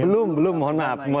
belum belum mohon maaf